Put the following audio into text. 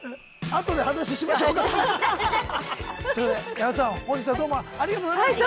後で話しましょうか。ということで矢野さん本日はどうもありがとうございました。